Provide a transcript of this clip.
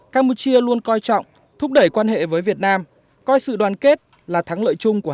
campuchia luôn coi trọng thúc đẩy quan hệ với việt nam coi sự đoàn kết là thắng lợi chung của